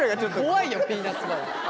怖いよピーナツバター。